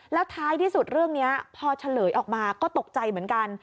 แล้วท้ายที่สุดเรื่องนี้พอเฉลยออกมาก็ตกใจเหมือนกัน